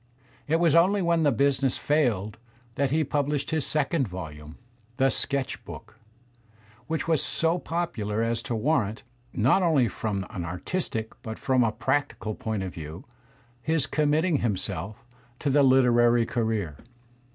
It was only when the business failed that he published his second volume, "The Sketch Book," which was so popular as to warrant, not only from an artistic but from a prac tical point of view, his committing himself to the literary career.